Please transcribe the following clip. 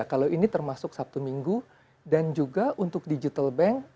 kalau ini termasuk sabtu minggu dan juga untuk digital bank